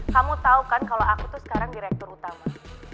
kamu tahu kan kalau aku tuh sekarang direktur utama